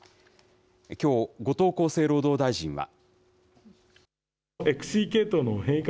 きょう、後藤厚生労働大臣は。